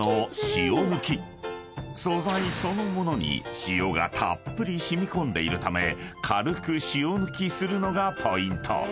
［素材そのものに塩がたっぷり染み込んでいるため軽く塩抜きするのがポイント］